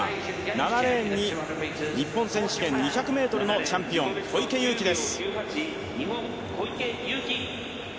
７レーンに日本選手権２００ｍのチャンピオン小池祐貴です。